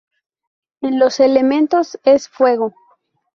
En los elementos, es fuego.